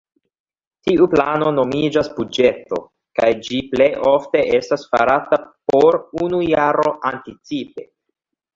Tiu plano nomiĝas buĝeto, kaj ĝi plej ofte estas farata por unu jaro anticipe.